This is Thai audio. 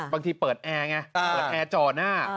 เปิดแอร์ไงเปิดแอร์จ่อหน้า